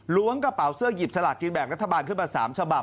ล้วงกระเป๋าเสื้อหยิบสลากกินแบ่งรัฐบาลขึ้นมา๓ฉบับ